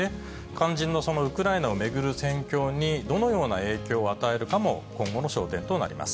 肝心のウクライナを巡る戦況に、どのような影響を与えるかも、今後の焦点となります。